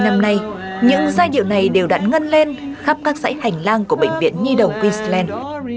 ba mươi năm nay những giai điệu này đều đã ngân lên khắp các giãi hành lang của bệnh viện nhi đồng queensland